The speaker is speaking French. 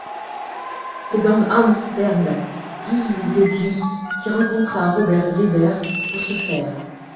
C'est donc Hans Bernd Gisevius qui rencontra Robert Leiber pour ce faire.